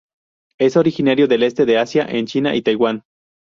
Es originario del este de Asia en China y Taiwan.